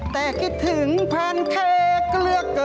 แต่คิดถึงแพนเค้กเรือเกิ